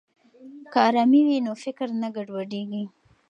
که ارامي وي نو فکر نه ګډوډیږي.